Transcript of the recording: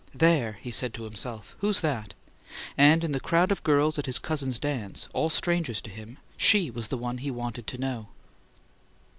"There!" he said to himself. "Who's that?" And in the crowd of girls at his cousin's dance, all strangers to him, she was the one he wanted to know.